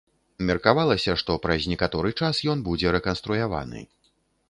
Меркавалася, што праз некаторы час ён будзе рэканструяваны.